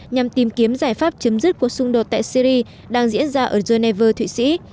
nhằm tìm kiếm giải pháp chấm dứt cuộc xung đột tại syri đang diễn ra ở geneva thụy sĩ